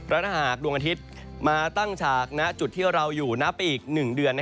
และถ้าหากดวงอาทิตย์มาตั้งฉากณจุดที่เราอยู่นับไปอีก๑เดือน